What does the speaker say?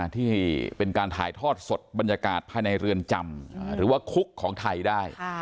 ที่เป็นการถ่ายทอดสดบรรยากาศภายในเรือนจำหรือว่าคุกของไทยได้